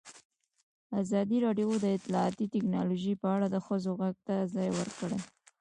ازادي راډیو د اطلاعاتی تکنالوژي په اړه د ښځو غږ ته ځای ورکړی.